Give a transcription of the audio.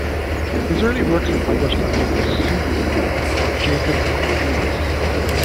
His early works were published under the pseudonym of Jakob Corvinus.